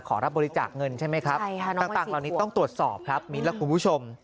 รับบริจาคเงินใช่ไหมครับต่างเหล่านี้ต้องตรวจสอบครับมิ้นและคุณผู้ชม